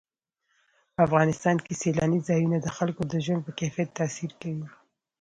په افغانستان کې سیلانی ځایونه د خلکو د ژوند په کیفیت تاثیر کوي.